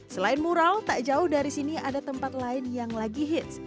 selain mural tak jauh dari sini ada tempat lain yang lagi hits